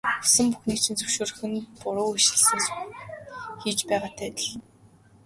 Хүссэн бүхнийг нь зөвшөөрөх нь буруу ишилсэн сүх л хийж байгаатай адил.